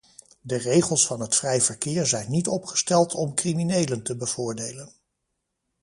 De regels van het vrij verkeer zijn niet opgesteld om criminelen te bevoordelen.